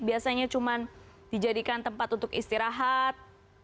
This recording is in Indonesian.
biasanya cuma dijadikan tempat untuk istirahat